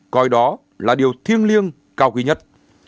coi đó là điều thiêng liêng cao quý nhất